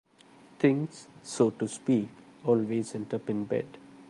Things, so to speak, always end up in bed.